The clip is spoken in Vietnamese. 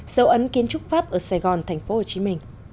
dấu ấn kiến trúc pháp ở sài gòn tp hcm